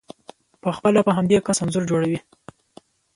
په خپله په همدې کس انځور جوړوئ،